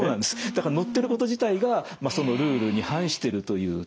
だから載ってること自体がそのルールに反してるというところですね。